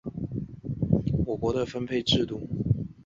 地方州县长官不能过问猛安谋克的事务。